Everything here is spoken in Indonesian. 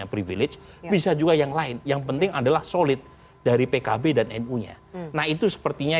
privilege bisa juga yang lain yang penting adalah solid dari pkb dan nu nya nah itu sepertinya